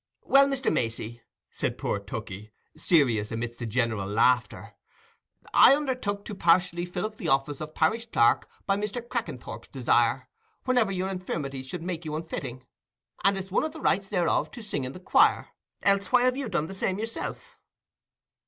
"Well, Mr. Macey," said poor Tookey, serious amidst the general laughter, "I undertook to partially fill up the office of parish clerk by Mr. Crackenthorp's desire, whenever your infirmities should make you unfitting; and it's one of the rights thereof to sing in the choir—else why have you done the same yourself?"